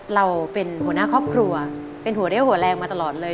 เราเป็นหัวหน้าครอบครัวเป็นหัวเรี่ยวหัวแรงมาตลอดเลย